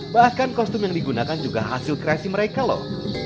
bahkan kostum yang digunakan juga hasil kreasi mereka loh